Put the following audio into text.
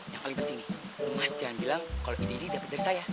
yang paling penting nih mas jangan bilang kalau ide ini dapat dari saya